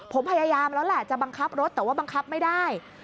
ผมพยายามแล้วแหละจะบังคับรถแต่ว่าบังคับไม่ได้